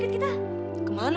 kalian tunggu gini ya